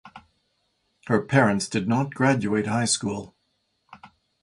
Her parents did not graduate high school.